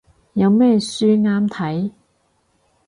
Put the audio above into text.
有咩書啱睇